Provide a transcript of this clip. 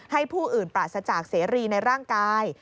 ผู้อื่นปราศจากเสรีในร่างกาย